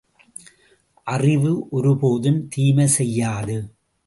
அறிவு ஒரு போதும் தீமை செய்யாது.